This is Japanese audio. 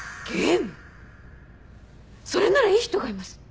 それならいい人がいます。